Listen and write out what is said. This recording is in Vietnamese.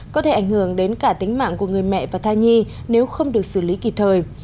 có thể ảnh hưởng đến cả tính mạng của người mẹ và thai nhi nếu không được xử lý kịp thời